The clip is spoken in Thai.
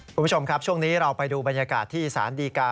คุณผู้ชมครับช่วงนี้เราไปดูบรรยากาศที่สารดีกา